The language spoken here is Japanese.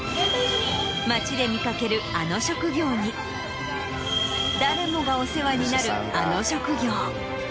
街で見かけるあの職業に誰もがお世話になるあの職業。